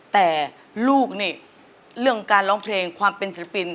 แต่ลูกนี่เรื่องการร้องเพลงความเป็นศิลปิน